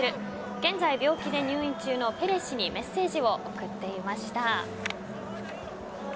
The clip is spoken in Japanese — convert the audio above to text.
現在、病気で入院中のペレ氏にメッセージを送っていました。